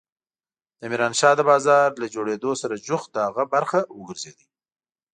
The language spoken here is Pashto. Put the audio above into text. د ميرانشاه د بازار له جوړېدو سره جوخت د هغه برخه وګرځېد.